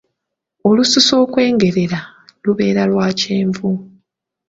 Olususu okwengerera, lubeera lwa kyenvu.